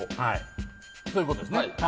そういうことです。